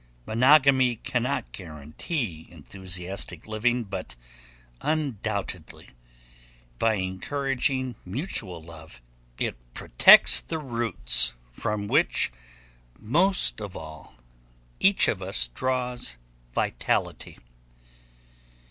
Monogamy cannot guarantee enthusiastic living, but undoubtedly, by encouraging mutual love, it protects the roots from which most of all each of us draws vitality.